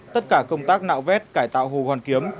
tất cả công tác nạo vét cải tạo hồ hoàn kiếm